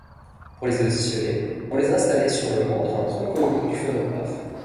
Pour les auditionner on les installait sur le mandrin tronconique du phonographe.